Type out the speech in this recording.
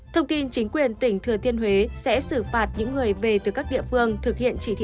thông tin chính quyền tỉnh thừa thiên huế sẽ xử phạt những người về từ các địa phương thực hiện chỉ thị một mươi sáu